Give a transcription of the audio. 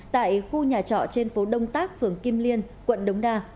tại khu nhà trọ trên phố đông tác phường kim liên quận đống đa